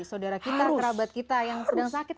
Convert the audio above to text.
saudara kita kerabat kita yang sedang sakit